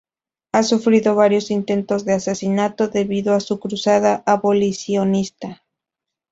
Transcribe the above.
Ha sufrido varios intentos de asesinato debido a su cruzada abolicionista.